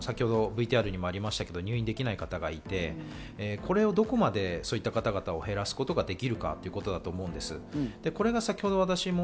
中等症２になってもＶＴＲにありましたけど入院できない方がいてこれをどこまでそういった方々を減らすことができるかということだと思います。